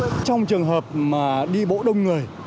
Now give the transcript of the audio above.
trong trường hợp mà đi bộ đông người